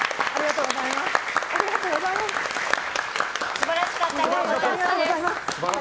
素晴らしかったです。